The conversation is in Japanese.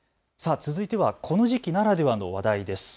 続いてはこの時期ならではの話題です。